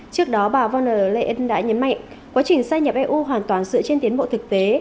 trước đó bà von der leyen đã nhấn mạnh quá trình xây nhập eu hoàn toàn dựa trên tiến bộ thực tế